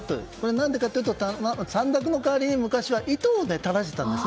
何でかというと短冊の代わりに昔は糸を垂らしていたんです。